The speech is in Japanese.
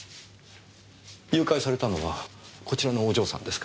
誘拐されたのはこちらのお嬢さんですか？